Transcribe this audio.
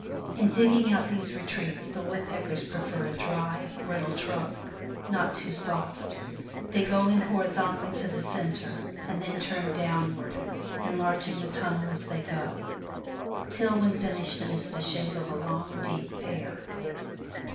In digging out these retreats the woodpeckers prefer a dry, brittle trunk, not too soft. They go in horizontally to the centre and then turn downward, enlarging the tunnel as they go, till when finished it is the shape of a long, deep pear.